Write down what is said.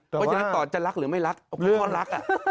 เพราะฉะนั้นตอนจะรักหรือไม่รักเอาคำว่ารักอ่ะ